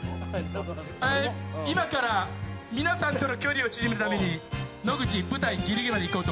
ええ今から皆さんとの距離を縮めるために野口舞台ギリギリまで行こうと思います。